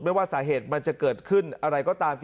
ว่าสาเหตุมันจะเกิดขึ้นอะไรก็ตาม